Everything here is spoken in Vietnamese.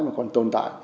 mà còn tồn tại